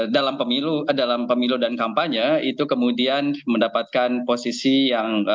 dalam pemilu dalam pemilu dan kampanye itu kemudian mendapatkan posisi yang